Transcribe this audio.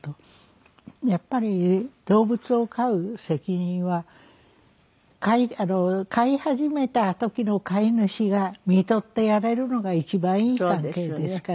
やっぱり動物を飼う責任は飼い始めた時の飼い主がみとってやれるのが一番いい関係ですから。